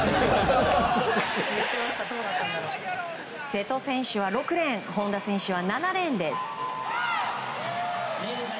瀬戸選手は６レーン本多選手は７レーンです。